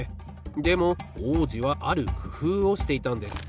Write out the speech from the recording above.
でも王子はあるくふうをしていたんです。